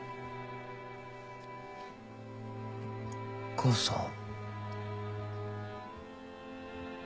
母さん？